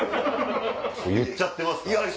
言っちゃってますからね。